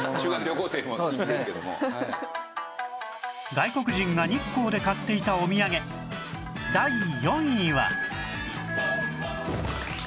外国人が日光で買っていたおみやげ第４位は